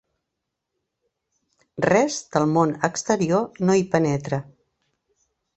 Res del món exterior no hi penetra.